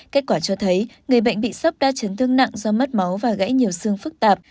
kết quả cho thấy người bệnh bị sốc đa chấn thương nặng do mất máu và gãy nhiều xương phức tạp